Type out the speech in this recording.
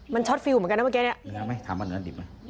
มันช็อตฟิวเหมือนกันนะเมื่อกี้เนี่ย